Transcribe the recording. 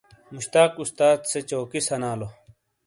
مشتاق استاد سے چوکی سانالو۔